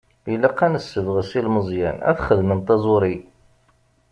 Ilaq ad nessebɣes ilmeẓyen ad xedmen taẓuri.